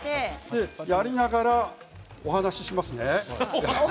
やりながらお話ししますね。